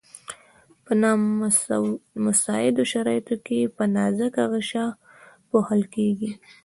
په نامساعدو شرایطو کې په نازکه غشا پوښل کیږي.